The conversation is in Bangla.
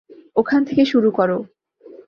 ওখান থেকে শুরু করো।